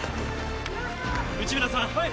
内村さん